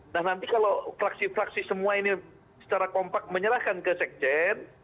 nah nanti kalau fraksi fraksi semua ini secara kompak menyerahkan ke sekjen